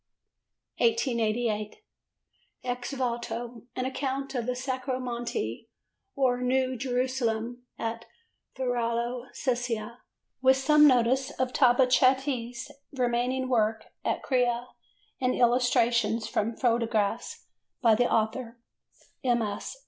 1888. Ex Voto: an account of the Sacro Monte or New Jerusalem at Varallo Sesia, with some notice of Tabachetti's remaining work at Crea and illustrations from photographs by the author: MS.